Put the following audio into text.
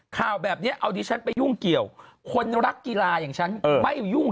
ข่าวแบบนี้เอาดิฉันไปยุ่งเกี่ยวคนรักกีฬาอย่างฉันไม่ยุ่ง